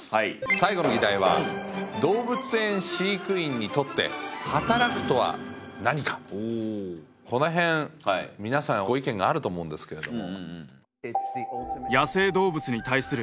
最後の議題はこの辺皆さんご意見があると思うんですけれども。